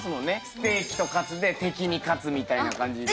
ステーキとカツで「敵に勝つ」みたいな感じで。